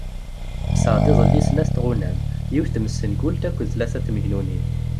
Kkseɣ-d iḍelli snat tɣunam, yiwet tmessengult akked tlala tmegnunin.